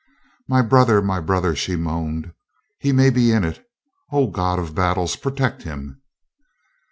"My brother! My brother!" she moaned, "he may be in it. O God of battles, protect him!"